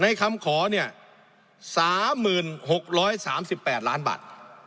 คำขอเนี่ย๓๖๓๘ล้านบาท